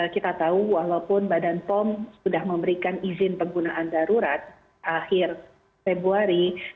kita tahu walaupun badan pom sudah memberikan izin penggunaan darurat akhir februari